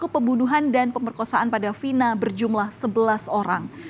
kepala pembangunan dan pemerkosaan pada vina berjumlah sebelas orang